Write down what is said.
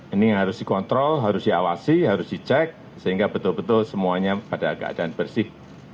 ini harus dikontrol harus diawasi harus dicek sehingga betul betul semuanya pada keadaan bersih